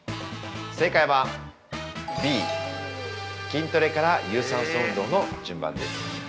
◆正解は、Ｂ筋トレから有酸素運動の順番です。